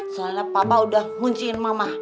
soalnya bapak udah kunciin mama